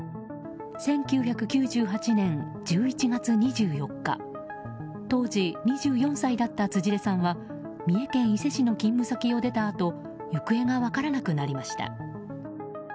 １９９８年１１月２４日当時２４歳だった辻出さんは三重県伊勢市の勤務先を出たあと行方が分からなくなりました。